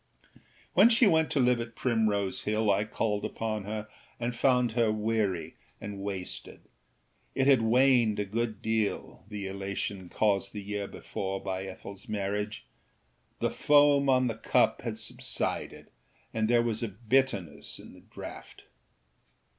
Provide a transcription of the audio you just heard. When she went to live at Primrose Hill I called upon her and found her weary and wasted. It had waned a good deal, the elation caused the year before by Ethelâs marriage; the foam on the cup had subsided and there was a bitterness in the draught.